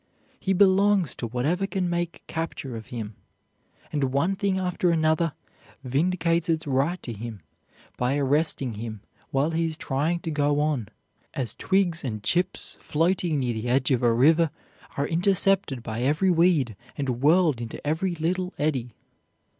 He belongs to whatever can make capture of him; and one thing after another vindicates its right to him by arresting him while he is trying to go on; as twigs and chips floating near the edge of a river are intercepted by every weed and whirled into every little eddy."